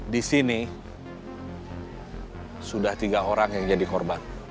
di sini sudah tiga orang yang jadi korban